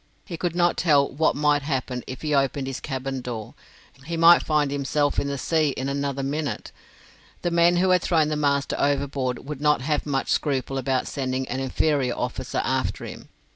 He could not tell what might happen if he opened his cabin door: he might find himself in the sea in another minute. The men who had thrown the master overboard would not have much scruple about sending an inferior officer after him.